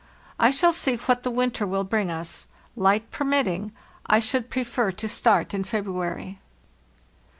I shall see what the winter will bring us. Light permitting, I should prefer to start in February.